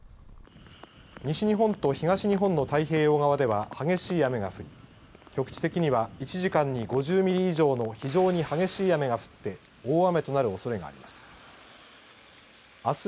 西日本と東日本の太平洋側では激しい雨が降り局地的には１時間に５０ミリ以上の非常に激しい雨が降って大雨となるおそれがあります。